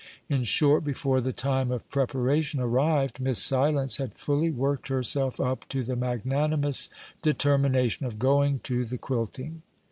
In short, before the time of preparation arrived, Miss Silence had fully worked herself up to the magnanimous determination of going to the quilting.